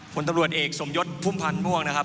ผลตำรวจเอกสมยศพุ่มพันธ์ม่วงนะครับ